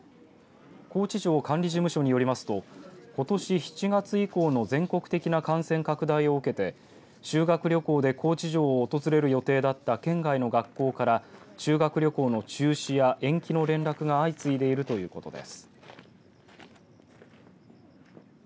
高知城管理事務所によりますとことし７月以降の全国的な感染拡大を受けて修学旅行で高知城を訪れる予定だった県外の学校から修学旅行の中止や延期の連絡が相次いでいるということです。